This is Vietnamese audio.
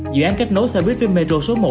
dự án kết nối xe buýt với metro số một